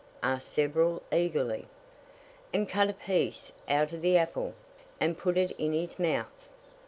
asked several, eagerly. "And cut a piece out of the apple, and put it in his mouth."